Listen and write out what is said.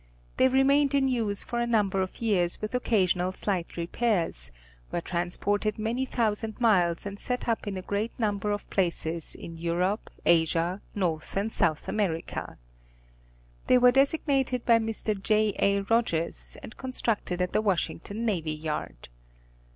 They remained in use for a number of years with occasional slight repairs, were transported many thou sand miles and set up in a great number of places in Kurope, Asia, North and South America. They were designed by Mr. J. A. Rogers, and constructed at the Washington Navy Yard.